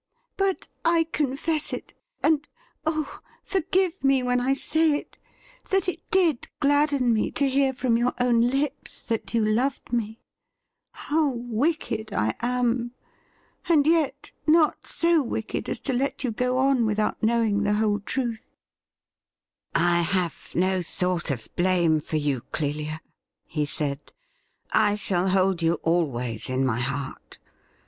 But I confess it — and, oh ! forgive me when I say it — that it did gladden me to hear from your own lips that you loved me ! How wicked I am ! and yet not so wicked as to let you go on without knowing the whole tnith !' 'I have no thought of blame for you, Clelia,' he said. ' I shall hold you always in my heart.